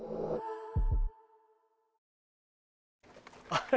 あれ？